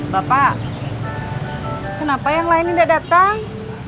bapak kenapa yang lain ini tidak datang